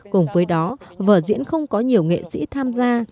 cùng với đó vở diễn không có nhiều nghệ sĩ tham gia